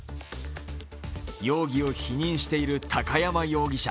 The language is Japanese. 容疑を否認している高山容疑者。